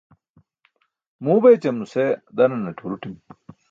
muu bećum nuse dananaṭe huruṭimi